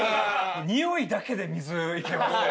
においだけで水いけますね。